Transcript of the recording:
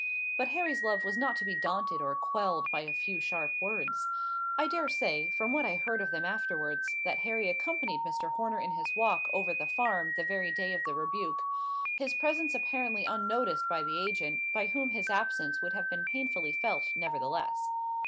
But Harry's love was not to be daunted or quelled by a few sharp words. I dare say, from what I heard of them afterwards, that Harry accompanied Mr. Horner in his walk over the farm the very day of the rebuke; his presence apparently unnoticed by the agent, by whom his absence would have been painfully felt nevertheless.